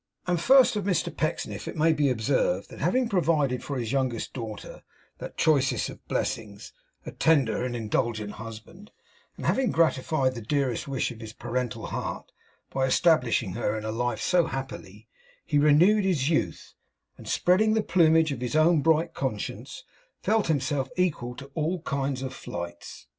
And first of Mr Pecksniff it may be observed, that having provided for his youngest daughter that choicest of blessings, a tender and indulgent husband; and having gratified the dearest wish of his parental heart by establishing her in life so happily; he renewed his youth, and spreading the plumage of his own bright conscience, felt himself equal to all kinds of flights.